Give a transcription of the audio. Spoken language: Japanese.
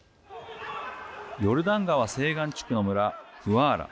ヨルダン川西岸地区の村フワーラ。